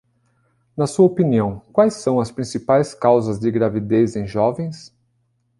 Na sua opinião, quais são as principais causas de gravidez em jovens?